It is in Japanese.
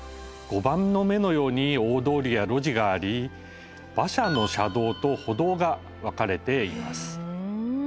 碁盤の目のように大通りや路地があり馬車の車道と歩道が分かれています。